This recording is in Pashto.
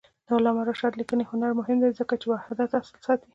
د علامه رشاد لیکنی هنر مهم دی ځکه چې وحدت اصل ساتي.